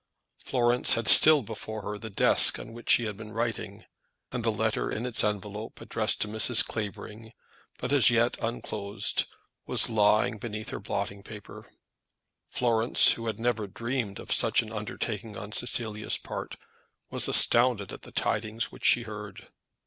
Florence had still before her the desk on which she had been writing; and the letter in its envelope addressed to Mrs. Clavering, but as yet unclosed, was lying beneath her blotting paper. Florence, who had never dreamed of such an undertaking on Cecilia's part, was astounded at the tidings which she heard.